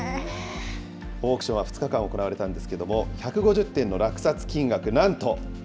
オークションは２日間行われたんですけども、１５０点の落札金額、すごい。